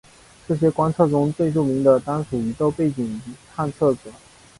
这些观测中最著名的当属宇宙背景探测者。